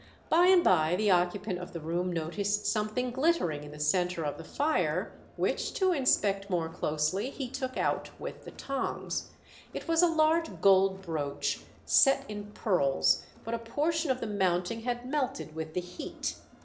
By and by the occupant of the room noticed something glittering in the centre of the fire, which, to inspect more closely, he took out with the tongs. It was a large gold brooch set in pearls, but a portion of the mounting had melted with the heat.